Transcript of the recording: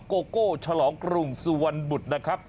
โกโก้ฉลองกรุงสุวรรณบุตรนะครับ